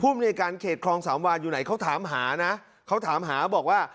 ในการเขตคลองสามวานอยู่ไหนเขาถามหานะเขาถามหาบอกว่า